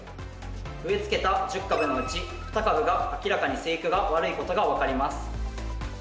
植えつけた１０株のうち２株が明らかに生育が悪いことが分かります。